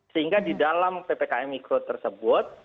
sehingga di dalam ppkm mikro tersebut